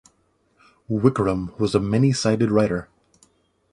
Wickram was a many-sided writer.